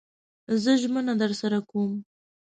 زه ژمنه درسره کوم